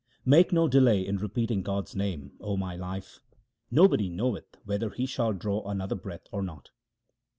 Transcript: Make no delay in repeating God's name, O my life ; nobody knoweth whether he shall draw another breath or not.